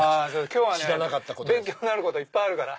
今日は勉強になることいっぱいあるから。